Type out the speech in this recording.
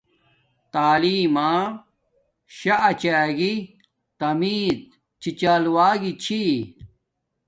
تعیلم ما شاہ اچاگاہݵ تمز چھی چال و گی چھی